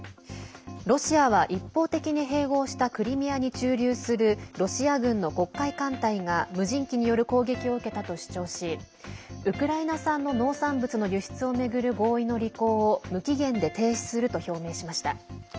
ロシアは一方的に併合したクリミアに駐留するロシア軍の黒海艦隊が無人機による攻撃を受けたと主張しウクライナ産の農産物の輸出を巡る合意の履行を無期限で停止すると表明しました。